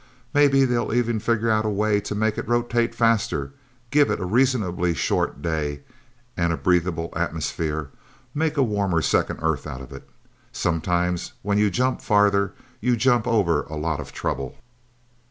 Maybe they'll even figure out a way to make it rotate faster, give it a reasonably short day, and a breathable atmosphere make a warmer second Earth out of it... Sometimes, when you jump farther, you jump over a lot of trouble.